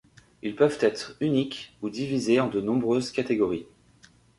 Ils peuvent être uniques ou divisés en de nombreuses catégories.